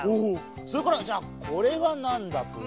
それからじゃあこれはなんだとおもう？